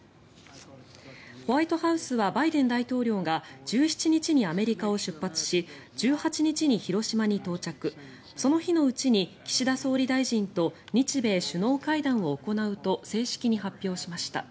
ホワイトハウスはバイデン大統領が１７日にアメリカを出発し１８日に広島に到着その日のうちに、岸田総理大臣と日米首脳会談を行うと正式に発表しました。